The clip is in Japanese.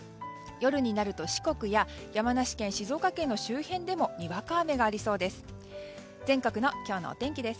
夜になると四国や山梨県、静岡県の周辺でもにわか雨がありそうです。